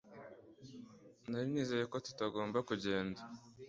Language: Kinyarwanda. Nari nizeye ko tutagomba kugenda